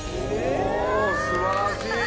おぉすばらしい！